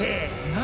何？